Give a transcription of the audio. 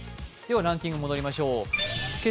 ランキングに戻りましょう。